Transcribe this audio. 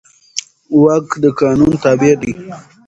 واک د قانون تابع دی.